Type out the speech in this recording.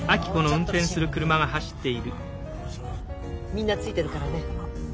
みんなついてるからね。